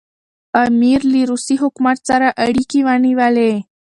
امیر له روسي حکومت سره اړیکي ونیولې.